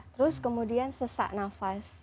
terus kemudian sesak nafas